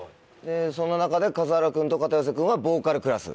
その中で数原君と片寄君はボーカルクラス。